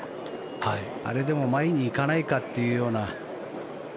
あれでも前に行かないかっていうような。